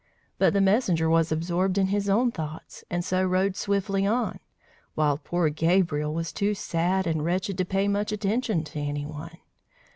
But the messenger was absorbed in his own thoughts, and so rode swiftly on; while poor Gabriel was too sad and wretched to pay much attention to any one.